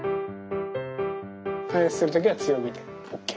加熱する時は強火でＯＫ。